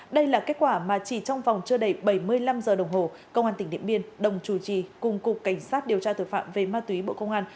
đây là kết quả mà chỉ trong vòng chưa đầy bảy mươi năm giờ đồng hồ công an tỉnh điện biên đồng chủ trì cùng cục cảnh sát điều tra tội phạm về ma túy bộ công an